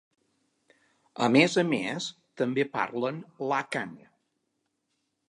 A més a més, també parlen l'àkan.